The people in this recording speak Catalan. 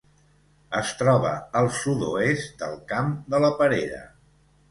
Es troba al sud-oest del Camp de la Perera.